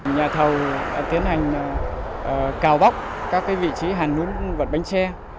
nhà thầu tiến hành cào bóc các vị trí hàn lún vật bánh xe